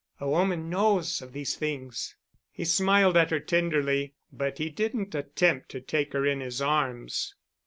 A woman knows of these things." He smiled at her tenderly, but he didn't attempt to take her in his arms.